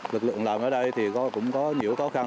lực lượng làm ở đây thì cũng có nhiều khó khăn